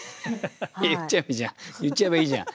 言っちゃえばいいじゃん言っちゃえばいいじゃん。